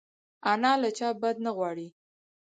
انا له چا بد نه غواړي